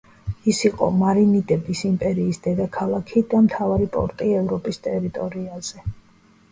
იგი იყო მარინიდების იმპერიის დედაქალაქი და მთავარი პორტი ევროპის ტერიტორიაზე.